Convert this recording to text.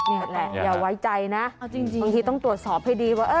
อืมเนี่ยแหละอย่าไว้ใจนะจริงจริงบางทีต้องตรวจสอบให้ดีว่าเอ้อ